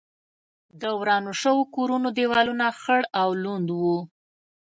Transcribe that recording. د ورانو شوو کورونو دېوالونه خړ او لوند و.